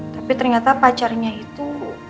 tapi ternyata pacarnya itu